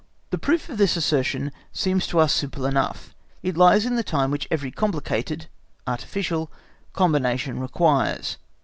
The proof of this assertion seems to us simple enough, it lies in the time which every complicated (artificial) combination requires.